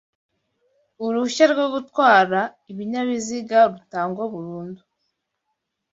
Uruhushya rwo gutwara ibinyabiziga rutangwa burundu